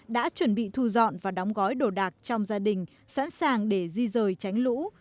đã chuẩn bị thu dọn và đóng gói đồ đạc trong gia đình sẵn sàng để di rời tránh lũ